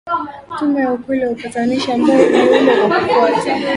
Tume ya ukweli na upatanishi ambayo iliundwa kwa kufuata